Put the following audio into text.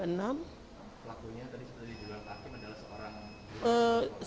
laku yang tadi sudah dijual hakim adalah seorang